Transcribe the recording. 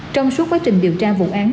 trong suốt quá trình điều tra vụ án